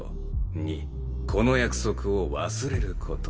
２この約束を忘れること。